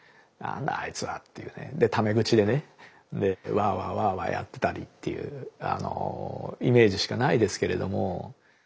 ワーワーワーワーやってたりっていうイメージしかないですけれども。